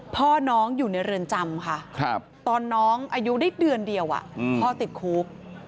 พ่อน้องอยู่ในเรือนจำค่ะตอนน้องอายุได้เดือนเดียวพ่อติดคุก